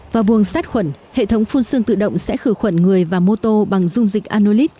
vào buồng sát khuẩn hệ thống phun xương tự động sẽ khử khuẩn người và mô tô bằng dung dịch anolit